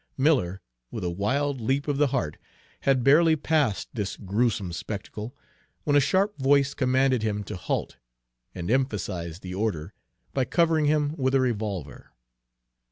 Miller, with a wild leap of the heart, had barely passed this gruesome spectacle, when a sharp voice commanded him to halt, and emphasized the order by covering him with a revolver.